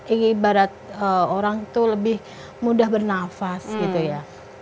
ini ibarat orang itu lebih mudah bernafas gitu ya